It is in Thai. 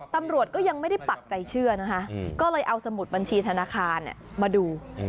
ตำรวจก็ยังไม่ได้ปักใจเชื่อนะคะก็เลยเอาสมุดบัญชีธนาคารมาดู